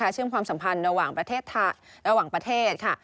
เชื่อมความสัมพันธ์ระหว่างประเทศระหว่างประเทศค่ะ